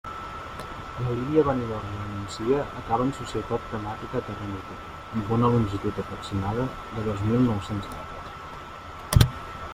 La línia Benidorm — la Nucia acaba en la Societat Temàtica Terra Mítica, amb una longitud aproximada de dos mil nou-cents metres.